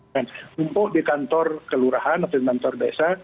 dan tumpuk di kantor kelurahan atau di kantor desa